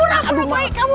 kurang kurang baik kamu